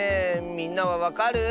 みんなはわかる？